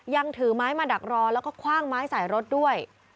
ยังถือไม้มาดักรอแล้วก็คว่างไม้ใส่รถด้วย